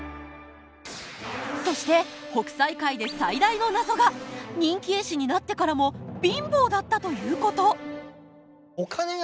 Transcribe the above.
そして北斎回で最大の謎が人気絵師になってからも貧乏だったということ。